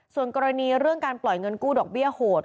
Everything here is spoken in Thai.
ส่วนกรณีเรื่องการปล่อยเงินกู้ดอกเบี้ยโหด